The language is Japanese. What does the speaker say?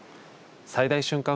最大瞬間